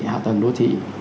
hạ tầng đô thị